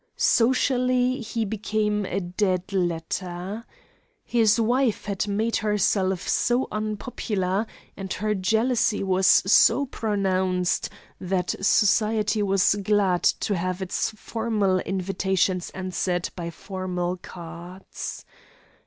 Socially he became a dead letter. His wife had made herself so unpopular, and her jealousy was so pronounced, that society was glad to have its formal invitations answered by formal cards.